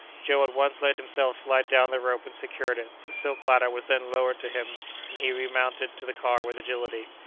Joe at once let himself slide down the rope and secured it. The silk ladder was then lowered to him and he remounted to the car with agility.